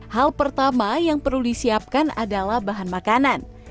hal pertama yang perlu disiapkan adalah bahan makanan